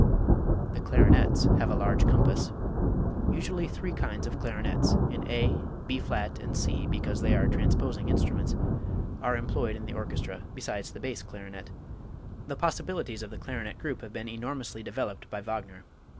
The clarinets have a large compass. Usually three kinds of clarinets (in A, B flat and C because they are transposing instruments) are employed in the orchestra, besides the bass clarinet. The possibilities of the clarinet group have been enormously developed by Wagner.